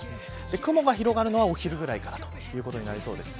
雲が広がるのはお昼ぐらいからとなりそうです。